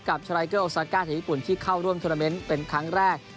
กับชาวไลเกอร์ออกสันโก้ที่เข้าร่วมทวนเตอร์เมนต์เป็นครั้งแรก